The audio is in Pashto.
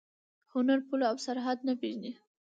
هنر پوله او سرحد نه پېژني.